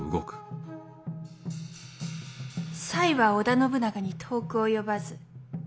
才は織田信長に遠く及ばず。